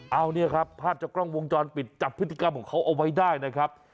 เอาเนี่ยครับภาพจากกล้องวงจรปิดจับพฤติกรรมของเขาเอาไว้ได้นะครับ